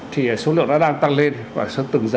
thì số lượng nó đang tăng lên